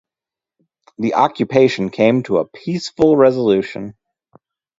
The occupation came to a peaceful resolution.